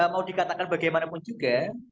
mau dikatakan bagaimanapun juga